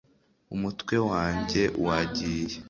umutwe wanjye wagiye